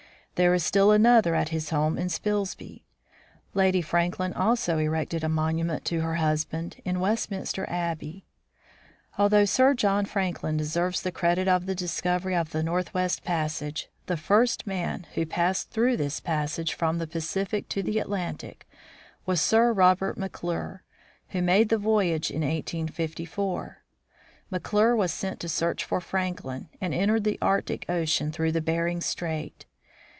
There is still another at his home in Spilsby. Lady Franklin also erected a monument to her husband in Westminster Abbey. Although Sir John Franklin deserves the credit of the discovery of the northwest passage, the first man who THE EREBUS AND THE TERROR 31 passed through this passage from the Pacific to the At lantic was Sir Robert McClure, who made the voyage in 1854. McClure was sent to search for Franklin, and entered the Arctic ocean through Bering strait.